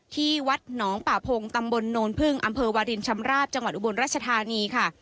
ที่วัดหนองป่าพงตำบลโนนพึ่งอำเภอวารินชำราบจังหวัดอุบลรัชธานีค่ะ